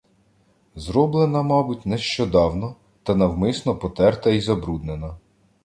Зроблена, мабуть, нещодавно, та навмисно потерта і забруднена.